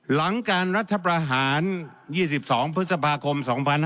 หลังการรัฐประหาร๒๒พฤษภาคม๒๕๕๙